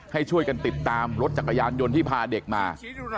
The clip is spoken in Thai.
ให้ช่วยกันติดตามรถจักรยานยนต์ที่พาเด็กมา